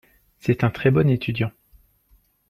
C'est un très bon étudiant.